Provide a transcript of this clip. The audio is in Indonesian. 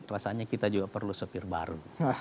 rasanya kita juga perlu sepir baru